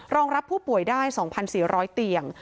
รับผู้ป่วยได้๒๔๐๐เตียง